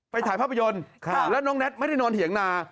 ถ่ายภาพยนตร์แล้วน้องแน็ตไม่ได้นอนเถียงนา